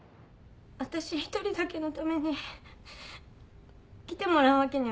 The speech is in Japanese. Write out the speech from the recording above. わたし一人だけのために来てもらうわけにはいきません。